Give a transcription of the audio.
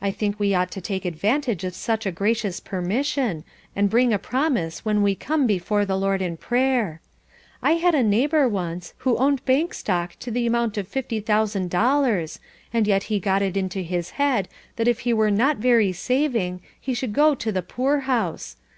I think we ought to take advantage of such a gracious permission, and bring a promise when we come before the Lord in prayer. "I had an old neighbour once who owned bank stock to the amount of fifty thousand dollars, and yet he got it into his head that if he were not very saving, he should go to the poor house.